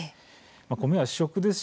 米は主食です。